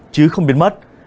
chứ không biến mất